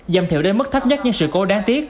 giảm thiểu đến mức thấp nhất những sự cố đáng tiếc